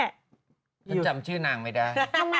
ฉันจำชื่อนางไม่ได้